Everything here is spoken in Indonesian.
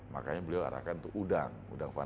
makanya beliau arahkan untuk udang